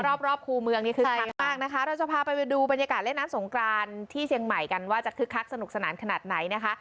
รอบรอบคู่เมืองนี้คึกคักมากนะคะเราจะพาไปดูบรรยากาศเล่นน้ำสงกรานที่เชียงใหม่กันว่าจะคึกคักสนุกสนานขนาดไหนนะคะ